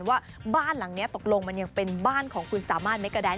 ว่าบ้านหลังนี้ตกลงมันยังเป็นบ้านของคุณสามารถเมกาแดน